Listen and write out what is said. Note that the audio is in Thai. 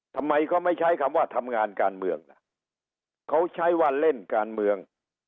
ทำไมเขาไม่ใช้คำว่าทำงานการเมืองล่ะเขาใช้ว่าเล่นการเมือง